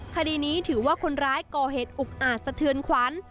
คดีนี้ถือว่าคนร้ายก่อเหตุอุกอาจสะเทือนขวัญ